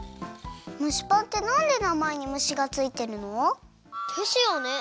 むしパンってなんでなまえに「むし」がついてるの？ですよね。